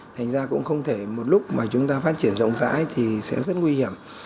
thành ra cũng không thể một lúc mà chúng ta phát triển rộng rãi thì sẽ rất nguy hiểm